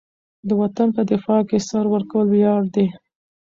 د وطن په دفاع کې سر ورکول ویاړ دی.